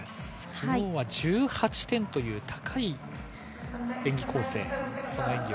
昨日は１８点という高い演技構成。